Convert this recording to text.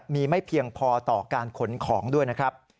มีไม่เพียงพอต่อการขนของด้วยนะครับ